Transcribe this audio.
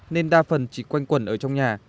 nên đa phần chỉ quanh quẩn ở trong nhà